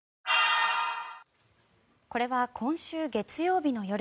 これは今週月曜日の夜